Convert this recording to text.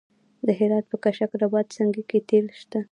د هرات په کشک رباط سنګي کې تیل شته.